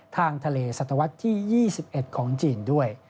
ทางทะเลสัตวรรษที่๒๑ของจีนด้วย